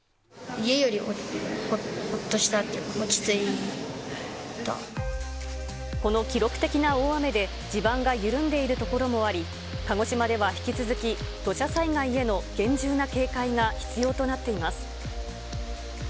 家よりほっとしたというか、この記録的な大雨で、地盤が緩んでいる所もあり、鹿児島では引き続き、土砂災害への厳重な警戒が必要となっています。